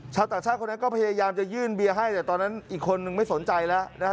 ชาวต่างชาติคนนั้นก็พยายามจะยื่นเบียร์ให้แต่ตอนนั้นอีกคนนึงไม่สนใจแล้ว